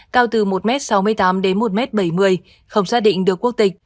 cao từ một m sáu mươi tám đến một m bảy mươi không xác định được quốc tịch